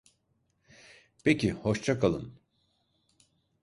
Peki, hoşça kalın.